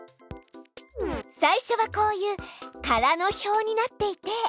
最初はこういう空の表になっていて。